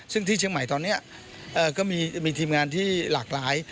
ซึ่งที่เชียงใหม่ตอนนี้ก็มีทีมงานที่หลากหลาย